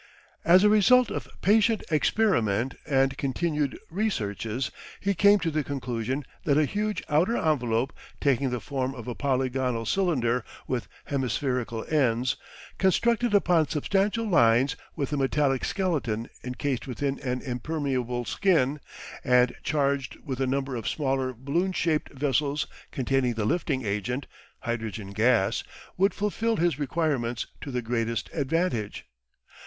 As a result of patient experiment and continued researches he came to the conclusion that a huge outer envelope taking the form of a polygonal cylinder with hemispherical ends, constructed upon substantial lines with a metallic skeleton encased within an impermeable skin, and charged with a number of smaller balloon shaped vessels containing the lifting agent hydrogen gas would fulfil his requirements to the greatest advantage.